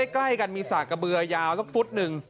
ใกล้กันมีสากกระเบือยาวสักฟุตหนึ่ง